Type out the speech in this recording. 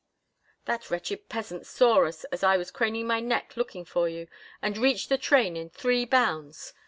"That wretched peasant saw us as I was craning my neck looking for you, and reached the train in three bounds.